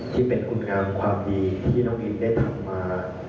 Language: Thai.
ที่เป็นคุณงามความดีที่น้องอินได้ทำมา